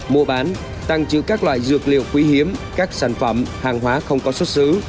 mua bán tăng trữ các loại dược liệu quý hiếm các sản phẩm hàng hóa không có xuất xứ